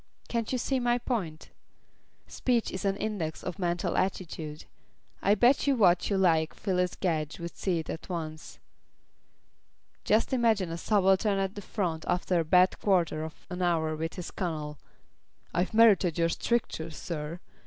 Can't you see my point? Speech is an index of mental attitude. I bet you what you like Phyllis Gedge would see it at once. Just imagine a subaltern at the front after a bad quarter of an hour with his Colonel 'I've merited your strictures, sir!'